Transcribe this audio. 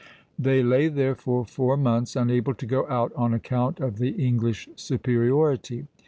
They lay there for four months, unable to go out on account of the English superiority.